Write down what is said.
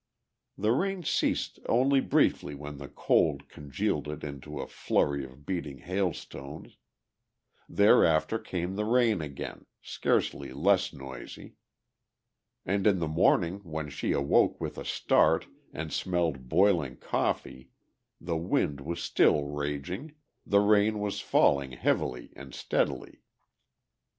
The rain ceased only briefly when the cold congealed it into a flurry of beating hail stones; thereafter came the rain again, scarcely less noisy. And in the morning when she awoke with a start and smelled boiling coffee the wind was still raging, the rain was falling heavily and steadily.